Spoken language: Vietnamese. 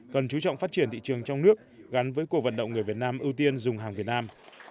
cần chú trọng phát triển thị trường trong nước gắn với cổ vận động người việt nam ưu tiên dùng hàng việt nam